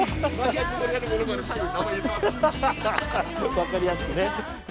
わかりやすくね。